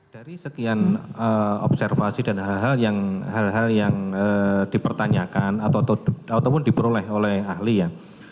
dari sekian observasi dan hal hal yang dipertanyakan ataupun diperoleh oleh ahli ya